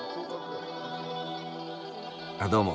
あっどうも。